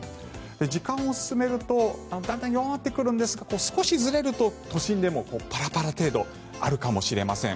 時間を進めるとだんだん弱まってくるんですが少しずれると都心でもパラパラ程度あるかもしれません。